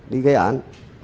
đi gây án